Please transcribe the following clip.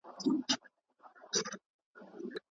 بې وزلو سره مینه وکړئ.